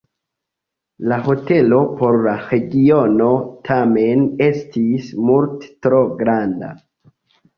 La hotelo por la regiono tamen estis multe tro granda.